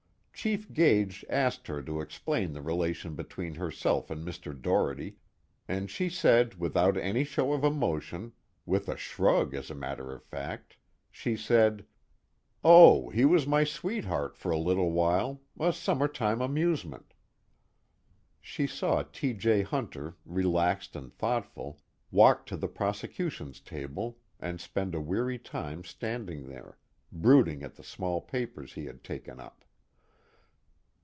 Chief Gage asked her to explain the relation between herself and Mr. Doherty, and she said without any show of emotion with a shrug, as a matter of fact she said: 'Oh, he was my sweetheart for a little while, a summertime amusement.'" She saw T. J. Hunter, relaxed and thoughtful, walk to the prosecution's table and spend a weary time standing there, brooding at the small papers he had taken up.